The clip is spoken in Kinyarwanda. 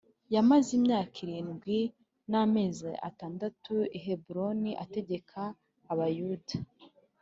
Yamaze imyaka irindwi n’amezi atandatu i Heburoni, ategeka Abayuda